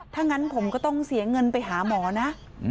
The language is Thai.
ถ้างั้นผมก็ต้องเสียเงินไปหาหมอนะ